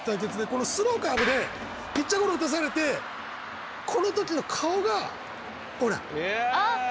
このスローカーブでピッチャーゴロ打たされてこの時の顔がほら。